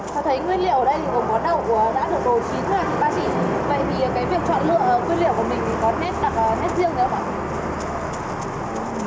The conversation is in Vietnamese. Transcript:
tôi thấy nguyên liệu ở đây thì gồm có đậu của đã được đồ chín là thì ba chỉ vậy thì cái việc chọn lựa nguyên liệu của mình thì có nét đặc nét riêng đấy không ạ